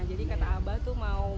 jadi kata abah itu mau